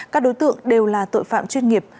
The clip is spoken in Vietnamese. các đối tượng đều là tội phạm chuyên nghiệp